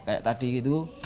kayak tadi gitu